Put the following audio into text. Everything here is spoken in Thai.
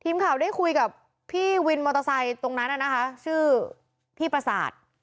ทีมข่าวได้คุยกับพี่วินมอเตอร์ไซค์ตรงนั้นนะคะชื่อพี่ประสาท